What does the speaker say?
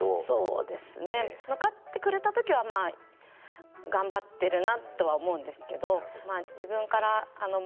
そうですね。向かってくれた時はまあ頑張ってるなとは思うんですけど。